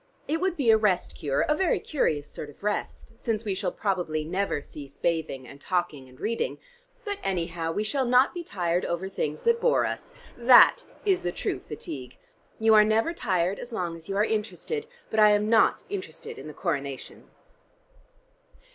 It would be a rest cure; a very curious sort of rest, since we shall probably never cease bathing and talking and reading. But anyhow we shall not be tired over things that bore us. That is the true fatigue. You are never tired as long as you are interested, but I am not interested in the Coronation."